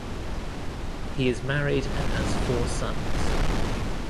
He is married and has four sons.